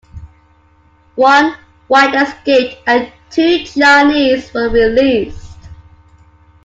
One White escaped and two Chinese were released.